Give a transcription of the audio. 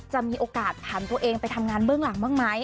จะมีโอกาสผ่านตัวเองไปทำงานเบื้องหลังบ้างไหม